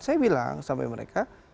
saya bilang sampai mereka